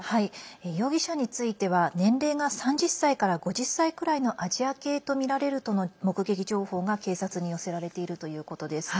容疑者については年齢が３０歳から５０歳くらいのアジア系とみられるとの目撃情報が警察に寄せられているということです。